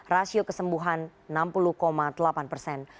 rasio kesembuhan enam puluh delapan persen